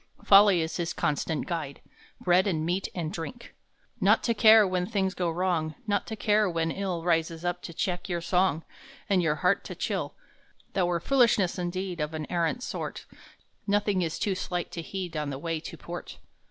Folly is his constant guide, Bread and meat and drink. Not to care when things go wrong. Not to care when ill Rises up to check your song, And your heart to chill That were foolishness indeed Of an arrant sort. Nothing is too slight to heed On the way to port.